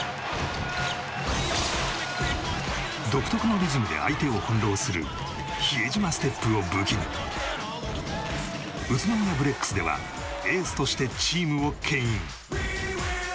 独特のリズムで相手を翻弄する比江島ステップを武器に宇都宮ブレックスではエースとしてチームを牽引。